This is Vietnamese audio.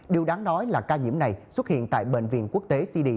điều đáng nói là ca nhiễm này xuất hiện tại bệnh viện quốc tế cd